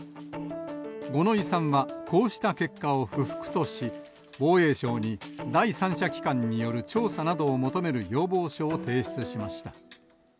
五ノ井さんはこうした結果を不服とし、防衛省に第三者機関による調査などを求める要望書を提出しました。